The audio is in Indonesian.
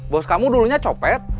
bos kamu dulunya copet